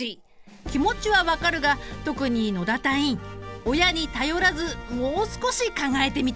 気持ちは分かるが特に野田隊員親に頼らずもう少し考えてみてくれ。